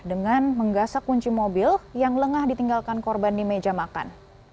dengan menggasak kunci mobil yang lengah ditinggalkan korban di meja makan